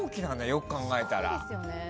よく考えたら。